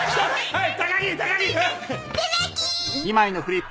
はい！